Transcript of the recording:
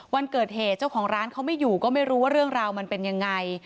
วันเกิดเหตุเจ้าของร้านเขาไม่อยู่ก็ไม่รู้ว่าเรื่องราวมันเป็นยังไง